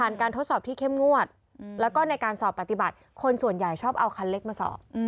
การทดสอบที่เข้มงวดแล้วก็ในการสอบปฏิบัติคนส่วนใหญ่ชอบเอาคันเล็กมาสอบ